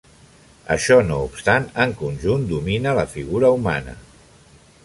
Això no obstant, en conjunt domina la figura humana.